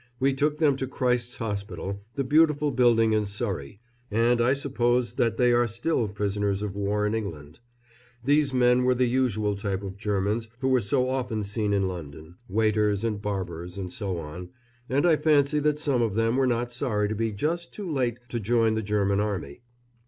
We took them to Christ's Hospital, the beautiful building in Surrey, and I suppose that they are still prisoners of war in England. These men were the usual type of Germans who were so often seen in London waiters, and barbers, and so on, and I fancy that some of them were not sorry to be just too late to join the German Army.